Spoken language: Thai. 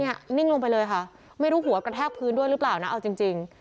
นิ่งลงไปเลยค่ะไม่รู้หัวกระแทกพื้นด้วยหรือเปล่านะเอาจริง